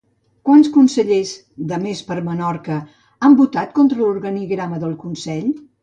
Quants consellers de Més per Menorca han votat contra l'organigrama del consell?